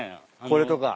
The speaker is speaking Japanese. これとか。